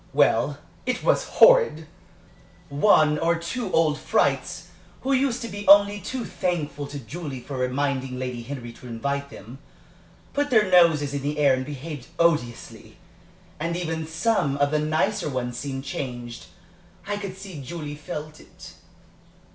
Well, it was horrid! One or two old frights, who used to be only too thankful to Julie for reminding Lady Henry to invite them, put their noses in the air and behaved odiously. And even some of the nicer ones seemed changed I could see Julie felt it."